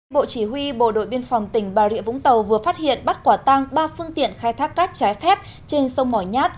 bộ chỉ huy bộ đội biên phòng tỉnh bà rịa vũng tàu vừa phát hiện bắt quả tang ba phương tiện khai thác cát trái phép trên sông mỏ nhát